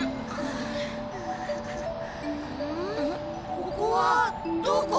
ここはどこ？